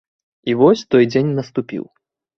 І вось той дзень наступіў.